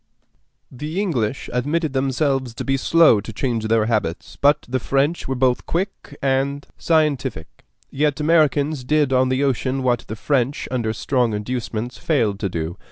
The English admitted themselves to be slow to change their habits, but the French were both quick and scientific; yet Americans did on the ocean what the French, under stronger inducements, failed to do.